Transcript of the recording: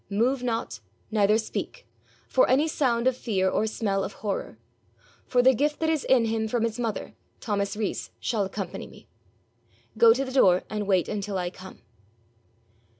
Move not, neither speak, for any sound of fear or smell of horror. For the gift that is in him from his mother, Thomas Rees shall accompany me. Go to the door, and wait until I come.'